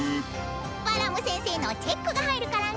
バラム先生のチェックが入るからね！